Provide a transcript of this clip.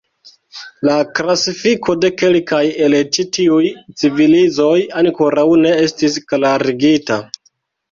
La klasifiko de kelkaj el ĉi tiuj civilizoj ankoraŭ ne estis klarigita.